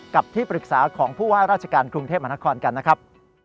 กับที่ปรึกษาของผู้ว่าราชการกรุงเทพมหานครกันนะครับ